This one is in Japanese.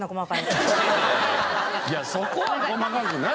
いやそこは細かくなあ。